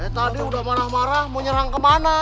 tadi udah marah marah mau nyerang kemana